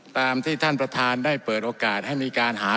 ตามที่ท่านประธานได้เปิดโอกาสให้มีการหา